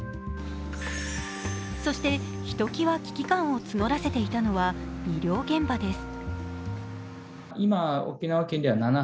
そしてひと際危機感を募らせていたのは医療現場です。